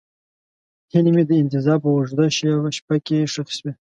هیلې مې د انتظار په اوږده شپه کې ښخې شوې.